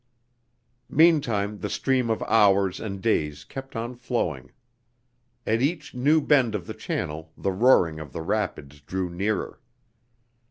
Meantime the stream of hours and days kept on flowing. At each new bend of the channel the roaring of the rapids drew nearer.